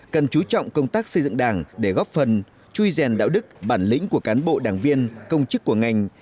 cần chú trọng công tác xây dựng đảng để góp phần chui rèn đạo đức bản lĩnh của cán bộ đảng viên công chức của ngành